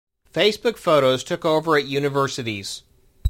Facebook photos took over at universities.